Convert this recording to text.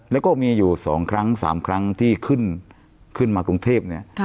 แล้วก็มีอยู่๒ครั้ง๓ครั้งที่ขึ้นมากรุงเทพเนี่ย